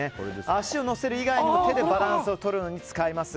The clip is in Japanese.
足を乗せる以外にも手でバランスをとるのに使います。